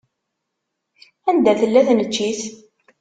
Anda tella tneččit?